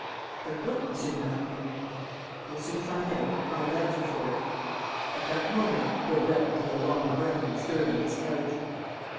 "But what, monsieur le marquis?" "We'll soon find out, I'll answer for it." At that moment, Daubrecq drew a long breath and stirred on his couch.